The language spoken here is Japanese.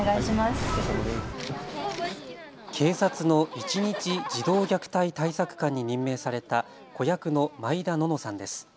警察の一日児童虐待対策官に任命された子役の毎田暖乃さんです。